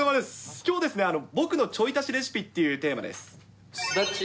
きょうですね、僕のちょい足しレシピというテーマです。